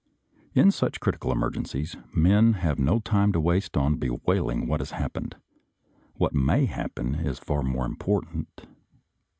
In such critical emergencies men have no time to waste in bewailing what has happened; what may happen is far more important.